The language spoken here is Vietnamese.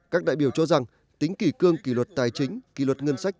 các đại biểu cho rằng tính kỷ cương kỷ luật tài chính kỳ luật ngân sách